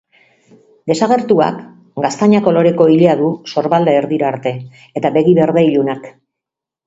Desagertuak gaztaina-koloreko ilea du sorbalda erdira arte, eta begi berde ilunak.